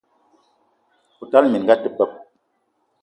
O tala minga a te beb!